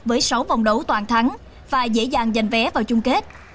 với sáu vòng đấu toàn thắng và dễ dàng giành vé vào chung kết